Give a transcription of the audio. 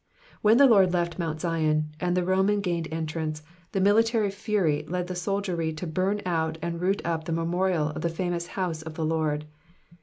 When the Lord left Mount Zion, and tlie Homnn gJiined entrance, the military fury led the soldiery to burn out and root up the memorial of the famous House of the Lord.